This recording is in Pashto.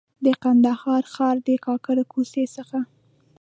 د کندهار ښار د کاکړو کوڅې څخه.